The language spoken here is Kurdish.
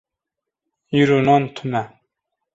Îro nan tune.